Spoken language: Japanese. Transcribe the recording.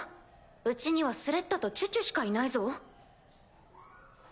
うちにはスレッタとチュチュしかいないぞ。